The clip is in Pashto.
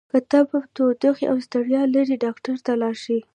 که تبه، ټوخۍ او ستړیا لرئ ډاکټر ته لاړ شئ!